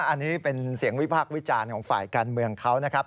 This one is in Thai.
อันนี้เป็นเสียงวิพากษ์วิจารณ์ของฝ่ายการเมืองเขานะครับ